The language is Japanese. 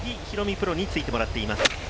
プロについてもらっています。